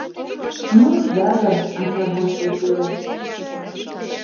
— Ну ужда дыр! — ача воштыл пелештыш.